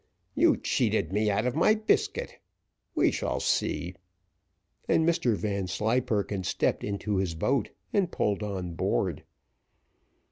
You cheated me out of my biscuit we shall see;" and Mr Vanslyperken stepped into his boat and pulled on board.